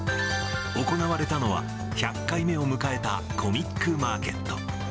行われたのは、１００回目を迎えたコミックマーケット。